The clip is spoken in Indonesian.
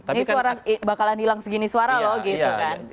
ini suara bakalan hilang segini suara loh gitu kan